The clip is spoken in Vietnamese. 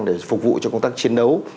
để phục vụ cho công tác chiến đấu